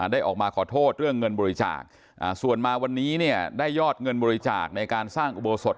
ได้ออกมาขอโทษเรื่องเงินบริจาคส่วนมาวันนี้เนี่ยได้ยอดเงินบริจาคในการสร้างอุโบสถ